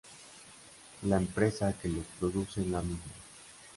La empresa que los produce es la misma.